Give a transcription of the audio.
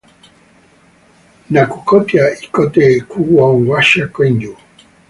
Nakukotia ikote huw'o w'achaa kenyu .